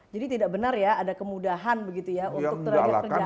jadi tidak benar ya ada kemudahan begitu ya untuk terhadap kerja asing